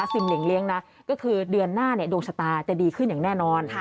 สิ่งหนึ่งเลี้ยงนะก็คือเดือนหน้าดวงชะตาจะดีขึ้นอย่างแน่นอน